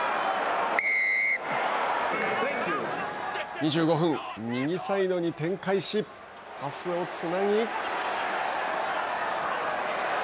２５分、右サイドに展開しパスをつなぎ。